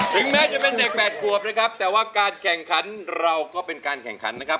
ถึงแม้จะเป็นเด็กแปดขวบนะครับแต่ว่าการแข่งขันเราก็เป็นการแข่งขันนะครับ